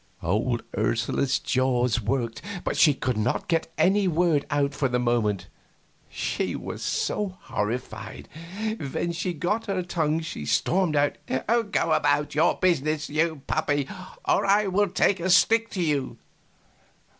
Old Ursula's jaws worked, but she could not get any word out for the moment, she was so horrified. When she got her tongue she stormed out, "Go about your business, you puppy, or I will take a stick to you!"